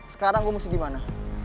sekarang gue mau segimana